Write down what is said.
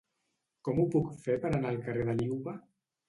Com ho puc fer per anar al carrer de Liuva?